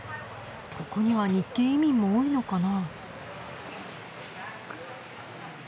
ここには日系移民も多いのかな。